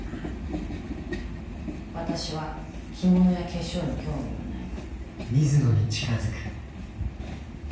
私は着物や化粧に興味はないが。